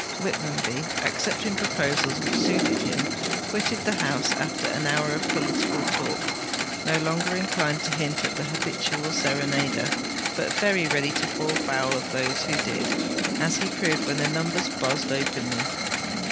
Whitmonby, accepting proposals which suited him, quitted the house, after an hour of political talk, no longer inclined to hint at the 'habitual serenader,' but very ready to fall foul of those who did, as he proved when the numbers buzzed openly.